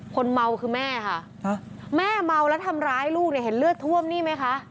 คนเมาคือแม่ค่ะแม่เมาแล้วทำร้ายลูกเนี่ยเห็นเลือดท่วมนี่ไหมคะ